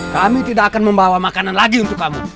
kami tidak akan membawa makanan lagi untuk kamu